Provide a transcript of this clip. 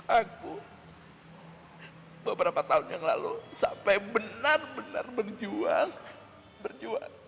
aku beberapa tahun yang lalu sampai benar benar berjuang berjuang